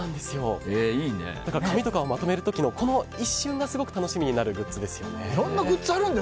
紙とかをまとめる時のこの一瞬がすごく楽しみになるグッズですよね。